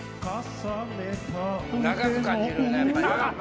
長く感じるよねやっぱり。